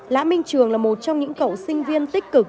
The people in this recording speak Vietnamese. lã minh trường là một trong những cậu sinh viên tích cực